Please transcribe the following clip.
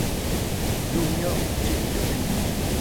Dům měl ústřední topení.